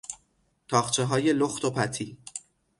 تاقچههای لخت و پتی